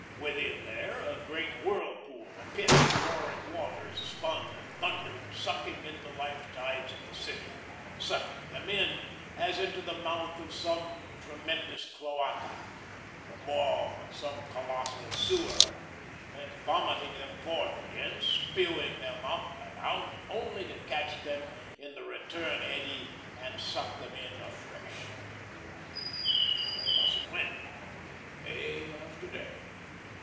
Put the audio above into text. Within there, a great whirlpool, a pit of roaring waters spun and thundered, sucking in the life tides of the city, sucking them in as into the mouth of some tremendous cloaca, the maw of some colossal sewer; then vomiting them forth again, spewing them up and out, only to catch them in the return eddy and suck them in afresh. Thus it went, day after day.